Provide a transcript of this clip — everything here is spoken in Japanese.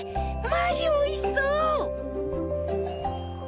マジおいしそう！